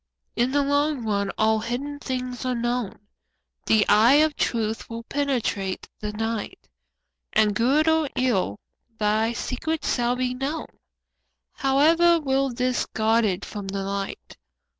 In the long run all hidden things are known, The eye of truth will penetrate the night, And good or ill, thy secret shall be known, However well 'tis guarded from the light.